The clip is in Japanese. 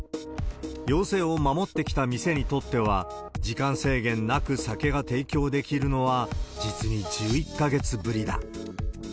要請を守ってきた店にとっては、時間制限なく酒が提供できるのは実に１１か月ぶりだ。